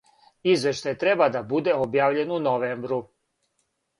Извештај треба да буде објављен у новембру.